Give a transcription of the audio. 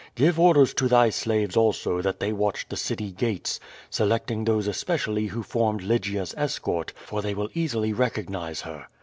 Give orders to thy slaves also that they watch the city gates, selecting those especially who formed Lygia's escort, for they will easily recognize her."